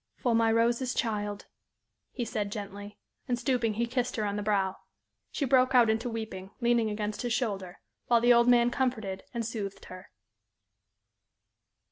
"For my Rose's child," he said, gently, and, stooping, he kissed her on the brow. She broke out into weeping, leaning against his shoulder, while the old man comforted and soothed her.